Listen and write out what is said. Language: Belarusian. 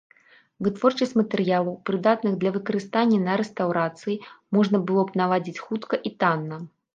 Вытворчасць матэрыялаў, прыдатных для выкарыстання на рэстаўрацыі, можна было б наладзіць хутка і танна.